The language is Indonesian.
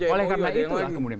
oleh karena itulah